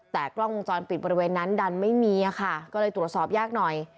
แต่กล้องวงจรปิดบริเวณนั้นดันไม่มีค่ะก็เลยตรวจสอบยากหน่อย